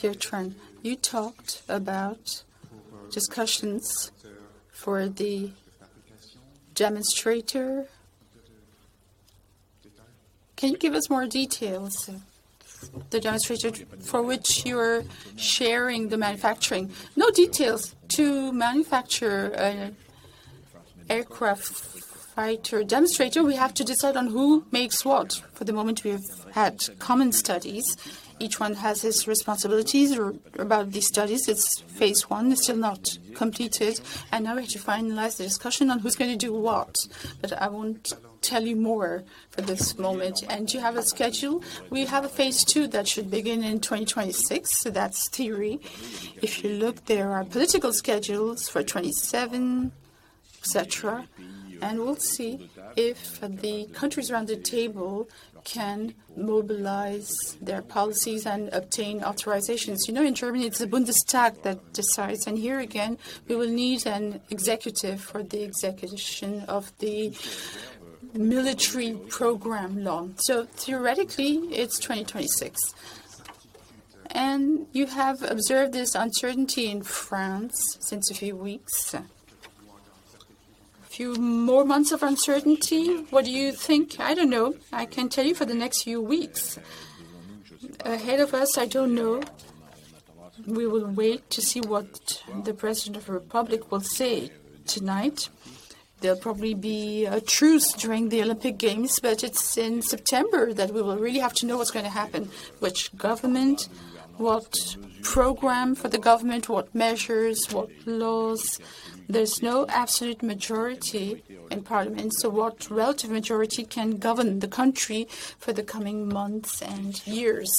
Pierre Tran, you talked about discussions for the demonstrator. Can you give us more details, the demonstrator for which you're sharing the manufacturing? No details. To manufacture an aircraft fighter demonstrator, we have to decide on who makes what. For the moment, we have had common studies. Each one has his responsibilities or about these studies. It's phase I, it's still not completed, and now we have to finalize the discussion on who's going to do what. But I won't tell you more for this moment. Do you have a schedule? We have a phase II that should begin in 2026, so that's theory. If you look, there are political schedules for 2027, et cetera, and we'll see if the countries around the table can mobilize their policies and obtain authorizations. You know, in Germany, it's the Bundestag that decides, and here again, we will need an executive for the execution of the military program law. So theoretically, it's 2026. And you have observed this uncertainty in France since a few weeks. A few more months of uncertainty, what do you think? I don't know. I can tell you for the next few weeks. Ahead of us, I don't know. We will wait to see what the President of the Republic will say tonight. There'll probably be a truce during the Olympic Games, but it's in September that we will really have to know what's gonna happen, which government, what program for the government, what measures, what laws. There's no absolute majority in Parliament, so what relative majority can govern the country for the coming months and years?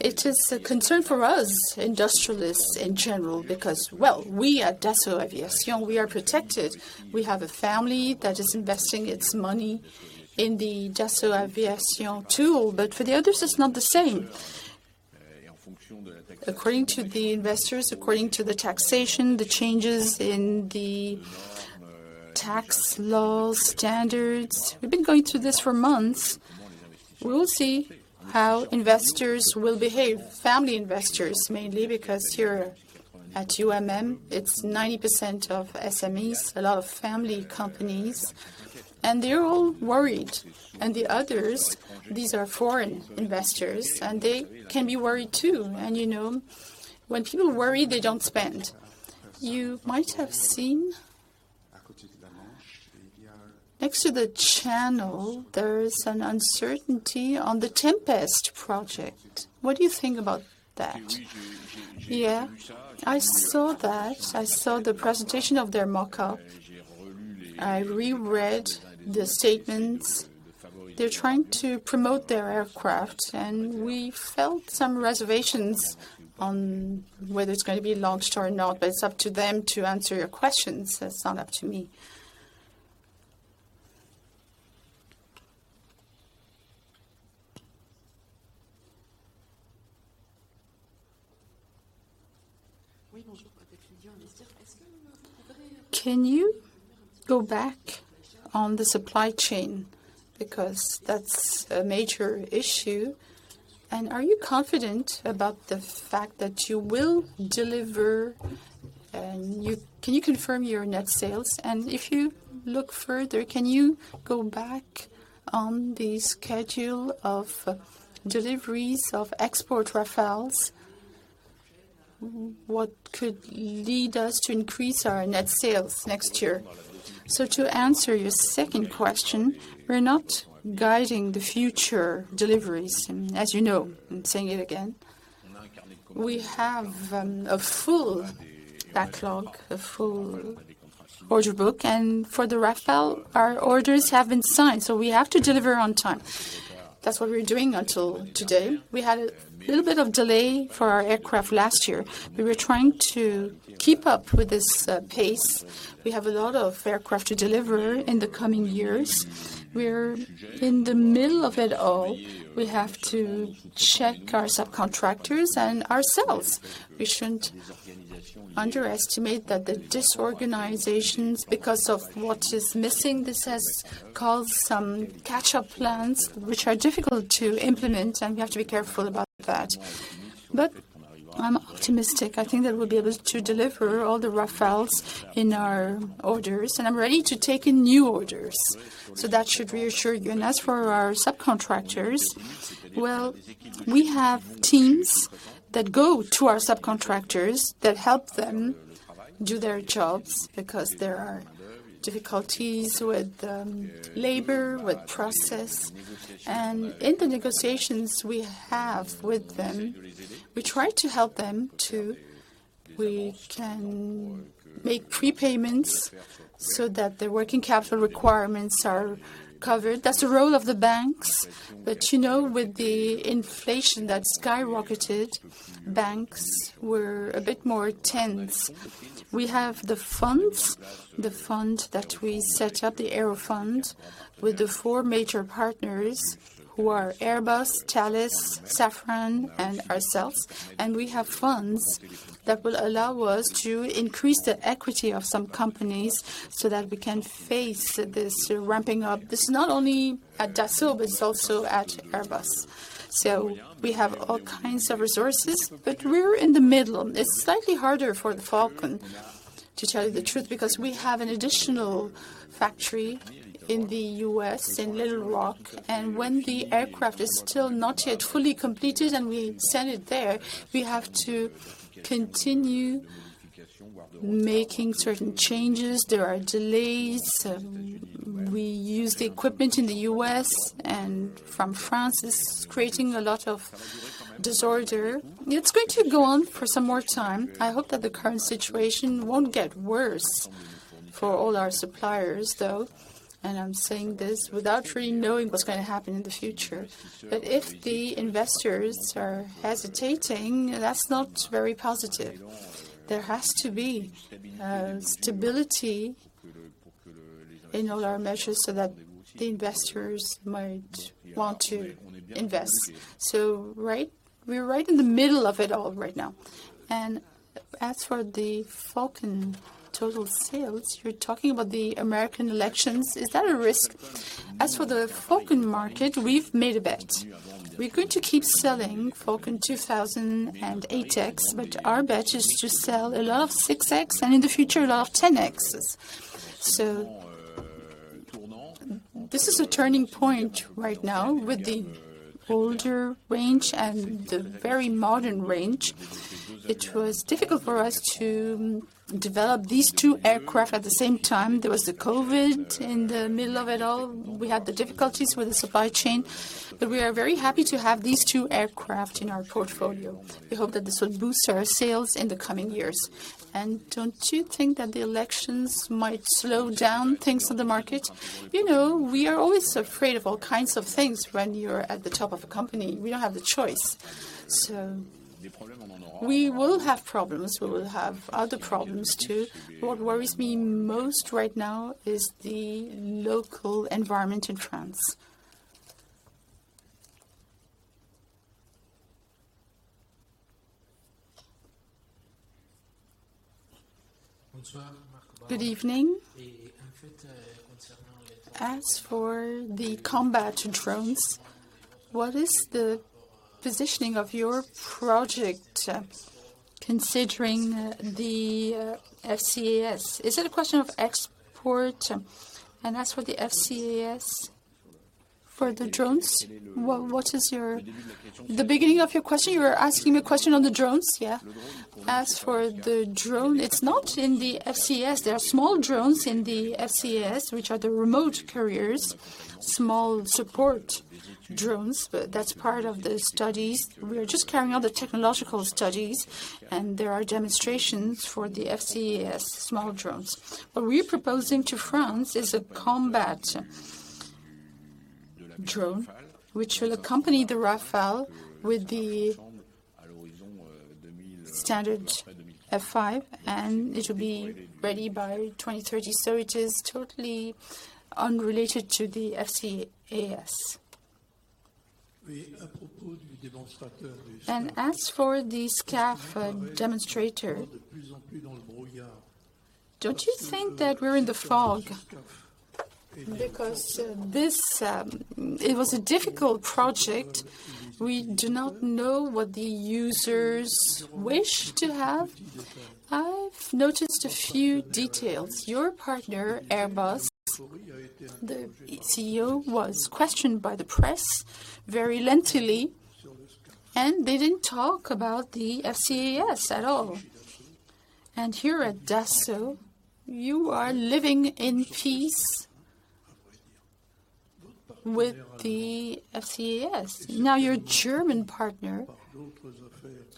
It is a concern for us, industrialists in general, because, well, we at Dassault Aviation, we are protected. We have a family that is investing its money in the Dassault Aviation tool, but for the others, it's not the same. According to the investors, according to the taxation, the changes in the tax laws, standards, we've been going through this for months. We will see how investors will behave. Family investors, mainly because here at UIMM, it's 90% of SMEs, a lot of family companies, and they're all worried. And the others, these are foreign investors, and they can be worried, too. And, you know, when people worry, they don't spend. You might have seen next to the Channel, there is an uncertainty on the Tempest project. What do you think about that? Yeah, I saw that. I saw the presentation of their mock-up. I reread the statements. They're trying to promote their aircraft, and we felt some reservations on whether it's gonna be launched or not, but it's up to them to answer your questions. It's not up to me. Can you go back on the supply chain? Because that's a major issue, and are you confident about the fact that you will deliver and you Can you confirm your net sales? And if you look further, can you go back on the schedule of deliveries of export Rafales, what could lead us to increase our net sales next year? So to answer your second question, we're not guiding the future deliveries. As you know, I'm saying it again, we have a full backlog, a full order book, and for the Rafale, our orders have been signed, so we have to deliver on time. That's what we're doing until today. We had a little bit of delay for our aircraft last year. We were trying to keep up with this pace. We have a lot of aircraft to deliver in the coming years. We're in the middle of it all. We have to check our subcontractors and ourselves. We shouldn't underestimate that the disorganizations, because of what is missing, this has caused some catch-up plans which are difficult to implement, and we have to be careful about that. But I'm optimistic. I think that we'll be able to deliver all the Rafales in our orders, and I'm ready to take in new orders, so that should reassure you. And as for our subcontractors, well, we have teams that go to our subcontractors that help them do their jobs because there are difficulties with labor, with process. In the negotiations we have with them, we try to help them, too. We can make prepayments so that the working capital requirements are covered. That's the role of the banks, but, you know, with the inflation that skyrocketed, banks were a bit more tense. We have the funds, the fund that we set up, the Aerofund, with the four major partners, who are Airbus, Thales, Safran, and ourselves. And we have funds that will allow us to increase the equity of some companies so that we can face this ramping up. This is not only at Dassault, but it's also at Airbus. So we have all kinds of resources, but we're in the middle. It's slightly harder for the Falcon-... To tell you the truth, because we have an additional factory in the U.S., in Little Rock, and when the aircraft is still not yet fully completed and we send it there, we have to continue making certain changes. There are delays, we use the equipment in the U.S. and from France. It's creating a lot of disorder. It's going to go on for some more time. I hope that the current situation won't get worse for all our suppliers, though, and I'm saying this without really knowing what's going to happen in the future. But if the investors are hesitating, that's not very positive. There has to be stability in all our measures so that the investors might want to invest. So we're right in the middle of it all right now. And as for the Falcon total sales, you're talking about the American elections. Is that a risk? As for the Falcon market, we've made a bet. We're going to keep selling Falcon 2000 and 8X, but our bet is to sell a lot of 6X, and in the future, a lot of 10X's. So, this is a turning point right now with the older range and the very modern range. It was difficult for us to develop these two aircraft at the same time. There was the COVID in the middle of it all. We had the difficulties with the supply chain, but we are very happy to have these two aircraft in our portfolio. We hope that this will boost our sales in the coming years. And don't you think that the elections might slow down things on the market? You know, we are always afraid of all kinds of things when you're at the top of a company. We don't have the choice. So we will have problems. We will have other problems, too. What worries me most right now is the local environment in France. Good evening. As for the combat drones, what is the positioning of your project, considering the FCAS? Is it a question of export? And as for the FCAS - For the drones? Well, what is your - The beginning of your question, you were asking a question on the drones? Yeah. As for the drone, it's not in the FCAS. There are small drones in the FCAS, which are the remote carriers, small support drones, but that's part of the studies. We are just carrying out the technological studies, and there are demonstrations for the FCAS small drones. What we are proposing to France is a combat drone, which will accompany the Rafale with the standard F5, and it will be ready by 2030. So it is totally unrelated to the FCAS. And as for the SCAF demonstrator, don't you think that we're in the fog? Because this, it was a difficult project. We do not know what the users wish to have. I've noticed a few details. Your partner, Airbus, the CEO, was questioned by the press very lengthily, and they didn't talk about the FCAS at all. And here at Dassault, you are living in peace with the FCAS. Now, your German partner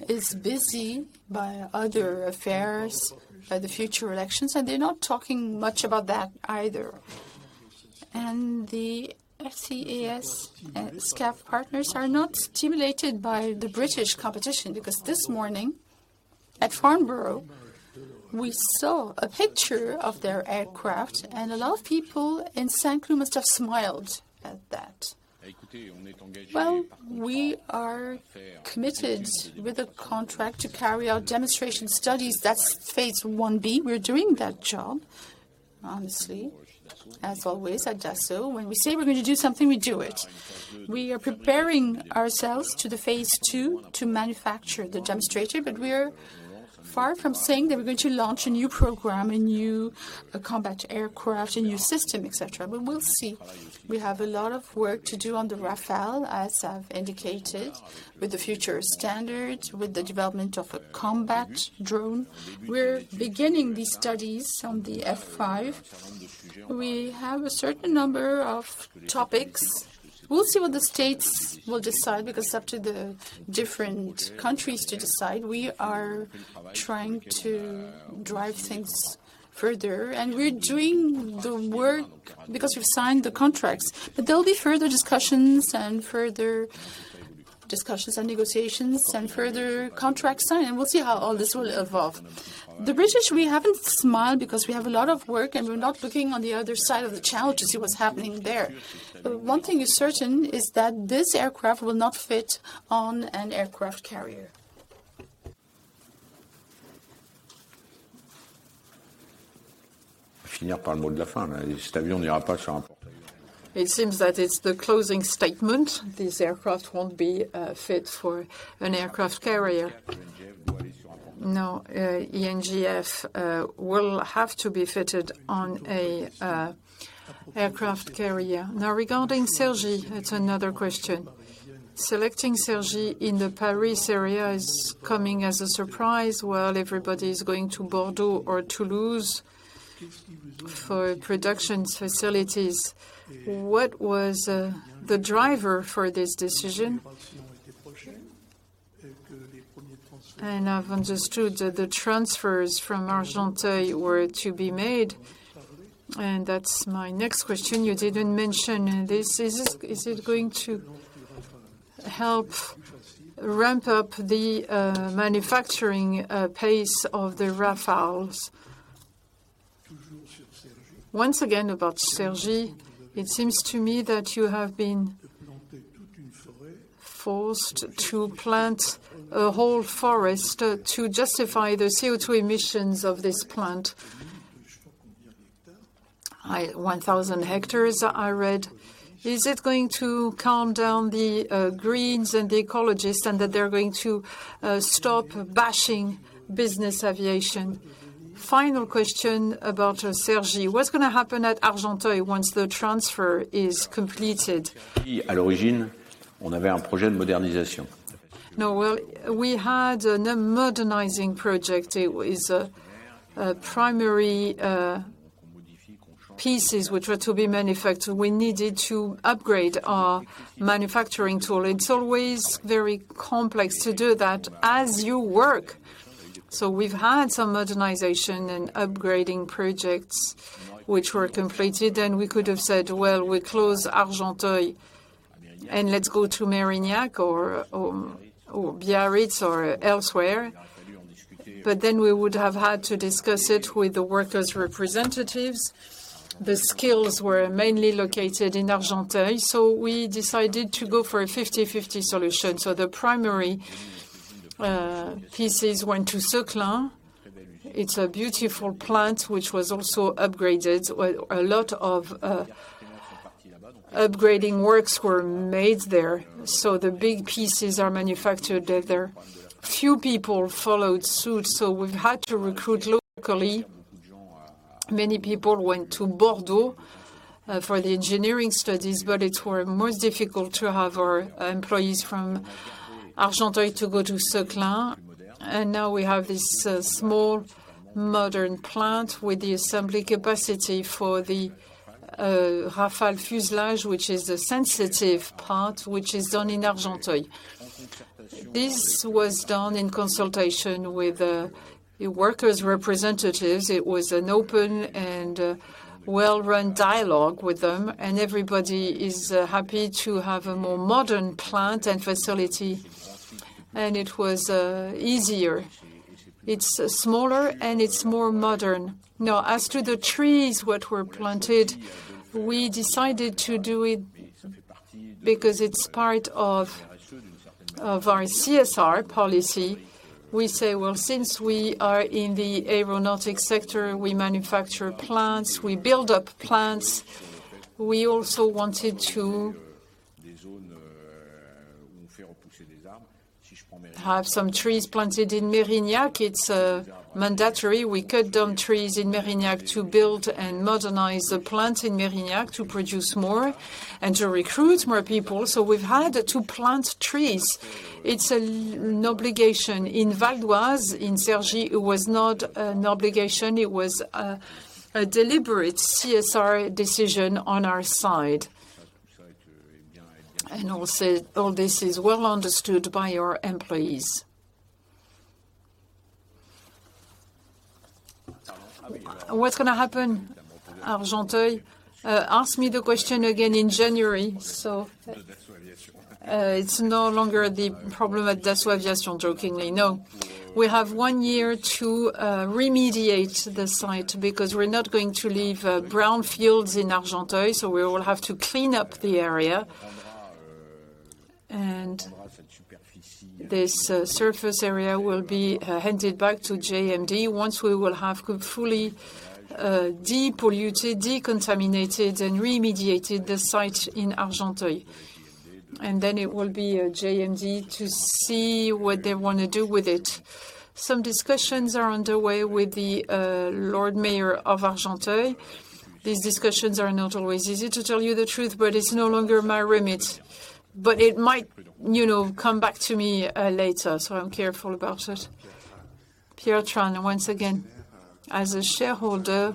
is busy by other affairs, by the future elections, and they're not talking much about that either. The FCAS SCAF partners are not stimulated by the British competition, because this morning at Farnborough, we saw a picture of their aircraft, and a lot of people in Saint-Cloud must have smiled at that. Well, we are committed with a contract to carry out demonstration studies. That's phase I-B. We're doing that job, honestly. As always, at Dassault, when we say we're going to do something, we do it. We are preparing ourselves to the phase II to manufacture the demonstrator, but we are far from saying that we're going to launch a new program, a new combat aircraft, a new system, et cetera. But we'll see. We have a lot of work to do on the Rafale, as I've indicated, with the future standards, with the development of a combat drone. We're beginning these studies on the F5. We have a certain number of topics. We'll see what the states will decide, because it's up to the different countries to decide. We are trying to drive things further, and we're doing the work because we've signed the contracts. There'll be further discussions and further discussions and negotiations and further contracts signed, and we'll see how all this will evolve. The British, we haven't smiled because we have a lot of work, and we're not looking on the other side of the challenge to see what's happening there. One thing is certain, is that this aircraft will not fit on an aircraft carrier.... I'll finish with the last word. This plane will not go on the aircraft carrier. It seems that it's the closing statement. This aircraft won't be fit for an aircraft carrier. No, NGF will have to be fitted on an aircraft carrier. Now, regarding Cergy, that's another question. Selecting Cergy in the Paris area is coming as a surprise, while everybody is going to Bordeaux or Toulouse for production facilities. What was the driver for this decision? And I've understood that the transfers from Argenteuil were to be made, and that's my next question. You didn't mention this. Is it going to help ramp up the manufacturing pace of the Rafales? Once again, about Cergy, it seems to me that you have been forced to plant a whole forest to justify the CO2 emissions of this plant. I 1,000 hectares, I read. Is it going to calm down the greens and the ecologists, and that they're going to stop bashing business aviation? Final question about Cergy. What's going to happen at Argenteuil once the transfer is completed? No, well, we had a modernizing project. It was primary pieces which were to be manufactured. We needed to upgrade our manufacturing tool. It's always very complex to do that as you work, so we've had some modernization and upgrading projects which were completed, and we could have said, "Well, we close Argenteuil, and let's go to Mérignac or, or, or Biarritz or elsewhere." But then we would have had to discuss it with the workers' representatives. The skills were mainly located in Argenteuil, so we decided to go for a 50/50 solution. So the primary pieces went to Seclin. It's a beautiful plant, which was also upgraded. Well, a lot of upgrading works were made there, so the big pieces are manufactured there. Few people followed suit, so we've had to recruit locally. Many people went to Bordeaux for the engineering studies, but it were most difficult to have our employees from Argenteuil to go to Seclin. And now we have this small, modern plant with the assembly capacity for the Rafale fuselage, which is the sensitive part which is done in Argenteuil. This was done in consultation with workers' representatives. It was an open and well-run dialogue with them, and everybody is happy to have a more modern plant and facility. And it was easier. It's smaller, and it's more modern. Now, as to the trees what were planted, we decided to do it because it's part of our CSR policy. We say, "Well, since we are in the aeronautics sector, we manufacture plants, we build up plants." We also wanted to have some trees planted in Mérignac. It's mandatory. We cut down trees in Mérignac to build and modernize the plant in Mérignac to produce more and to recruit more people, so we've had to plant trees. It's an obligation. In Val-d'Oise, in Cergy, it was not an obligation. It was a deliberate CSR decision on our side. And also, all this is well understood by our employees. What's going to happen, Argenteuil? Ask me the question again in January, so... It's no longer the problem at Dassault Aviation, jokingly. No, we have one year to remediate the site because we're not going to leave brownfields in Argenteuil, so we will have to clean up the area. This surface area will be handed back to GIMD once we will have fully depolluted, decontaminated, and remediated the site in Argenteuil. Then it will be GIMD to see what they want to do with it. Some discussions are underway with the mayor of Argenteuil. These discussions are not always easy, to tell you the truth, but it's no longer my remit. But it might, you know, come back to me later, so I'm careful about it. Pierre Tran. Pierre Tran, once again. As a shareholder,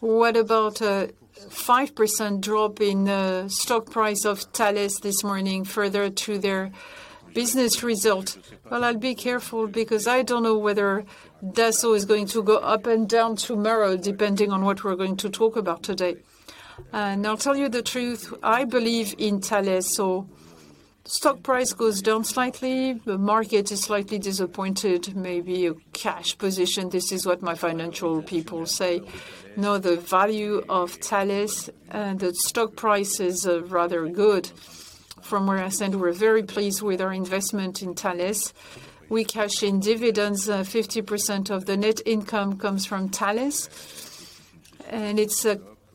what about a 5% drop in the stock price of Thales this morning, further to their business result? Well, I'll be careful because I don't know whether Dassault is going to go up and down tomorrow, depending on what we're going to talk about today. I'll tell you the truth, I believe in Thales, so stock price goes down slightly, the market is slightly disappointed, maybe a cash position. This is what my financial people say. No, the value of Thales, the stock price is rather good. From where I stand, we're very pleased with our investment in Thales. We cash in dividends, 50% of the net income comes from Thales, and it's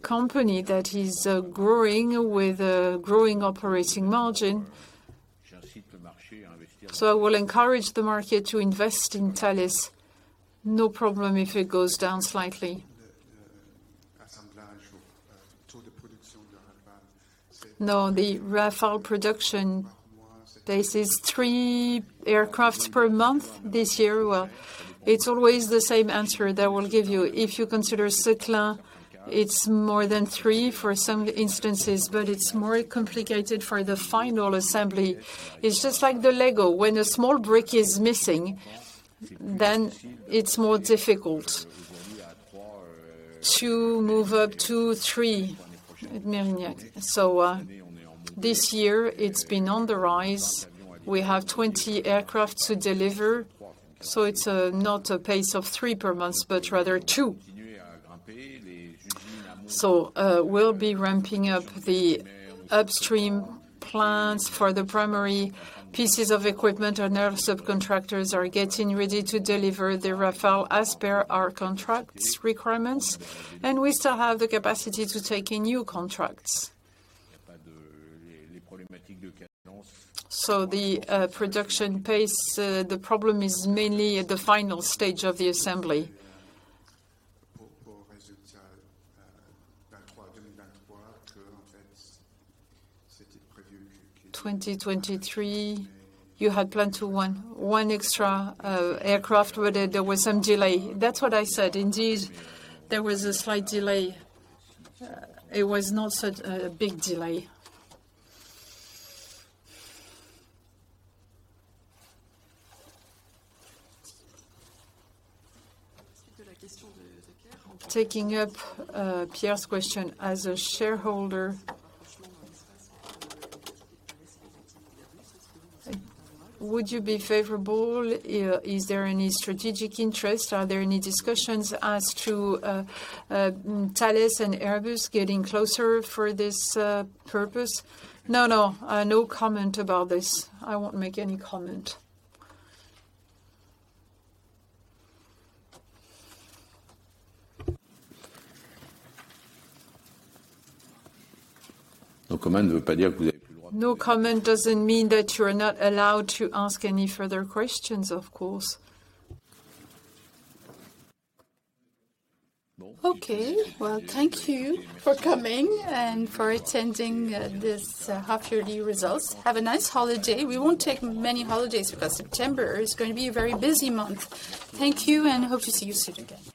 a company that is growing with a growing operating margin. I will encourage the market to invest in Thales. No problem if it goes down slightly. Now, the Rafale production, this is 3 aircraft per month this year. Well, it's always the same answer that I will give you. If you consider Seclin, it's more than 3 for some instances, but it's more complicated for the final assembly. It's just like the Lego. When a small brick is missing, then it's more difficult to move up to 3 at Mérignac. So, this year it's been on the rise. We have 20 aircraft to deliver, so it's not a pace of 3 per month, but rather 2. So, we'll be ramping up the upstream plans for the primary pieces of equipment, and our subcontractors are getting ready to deliver the Rafale as per our contract's requirements, and we still have the capacity to take in new contracts. So the production pace, the problem is mainly at the final stage of the assembly. 2023, you had planned to 1, 1 extra aircraft. Whether there was some delay? That's what I said. Indeed, there was a slight delay. It was not such a big delay. Taking up Pierre's question, as a shareholder, would you be favorable, is there any strategic interest? Are there any discussions as to Thales and Airbus getting closer for this purpose? No, no. No comment about this. I won't make any comment. No comment doesn't mean that you're not allowed to ask any further questions, of course. Okay. Well, thank you for coming and for attending this half yearly results. Have a nice holiday. We won't take many holidays, because September is going to be a very busy month. Thank you, and hope to see you soon again.